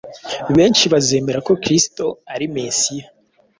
benshi bazemera ko Kristo ari Mesiya.